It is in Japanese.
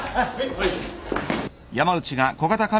はい。